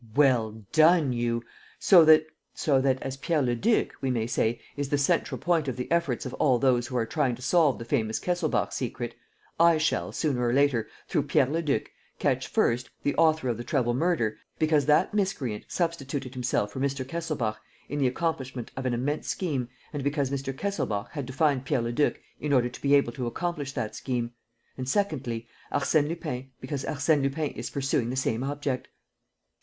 "Well done you! So that ..." "So that, as Pierre Leduc, we may say, is the central point of the efforts of all those who are trying to solve the famous Kesselbach secret, I shall, sooner or later, through Pierre Leduc, catch, first, the author of the treble murder, because that miscreant substituted himself for Mr. Kesselbach in the accomplishment of an immense scheme and because Mr. Kesselbach had to find Pierre Leduc in order to be able to accomplish that scheme; and, secondly, Arsène Lupin, because Arsène Lupin is pursuing the same object."